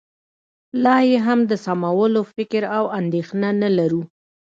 لا یې هم د سمولو فکر او اندېښنه نه لرو